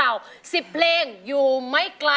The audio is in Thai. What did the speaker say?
อายุ๒๔ปีวันนี้บุ๋มนะคะ